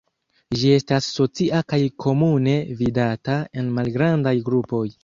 Ĝi estas socia kaj komune vidata en malgrandaj grupoj.